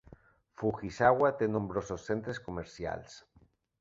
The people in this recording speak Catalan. Fujisawa té nombrosos centres comercials.